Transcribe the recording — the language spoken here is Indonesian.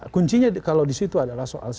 kuncinya kalau di situ adalah soal sosial media